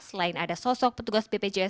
selain ada sosok petugas bpjs